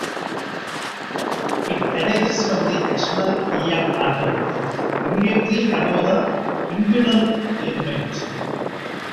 It arises from the external iliac artery, immediately above the inguinal ligament.